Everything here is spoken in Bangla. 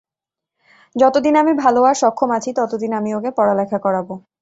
যতদিন আমি ভালো আর সক্ষম আছি ততদিন আমি ওকে পড়ালেখা করাবো।